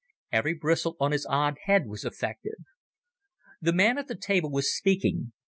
Every bristle on his odd head was effective. The man at the table was speaking.